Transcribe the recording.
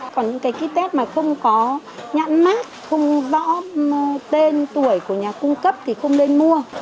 còn những cái kit test mà không có nhãn mát không rõ tên tuổi của nhà cung cấp thì không nên mua